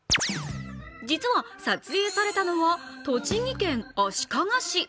実は撮影されたのは栃木県足利市。